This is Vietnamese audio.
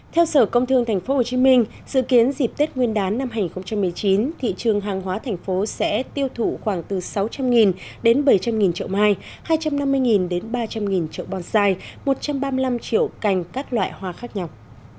theo sở công thương tp hcm dự kiến dịp tết nguyên đán năm hai nghìn một mươi chín thị trường hàng hóa thành phố sẽ tiêu thụ khoảng từ sáu trăm linh đến bảy trăm linh trậu mai hai trăm năm mươi đến ba trăm linh trậu bonsai một trăm ba mươi năm triệu cành các loại hoa khác nhau